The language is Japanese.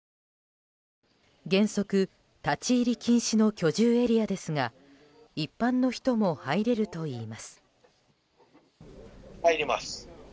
原則立ち入り禁止の居住エリアですが一般の人も入れるといいます。